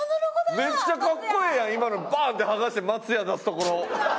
めっちゃ格好ええやん今のバン！って剥がして松屋出すところ。